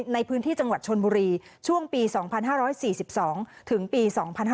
ในพื้นที่จังหวัดชนบุรีช่วงปี๒๕๔๒ถึงปี๒๕๕๙